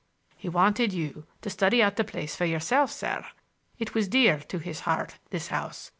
"He wanted you to study out the place for yourself, sir. It was dear to his heart, this house.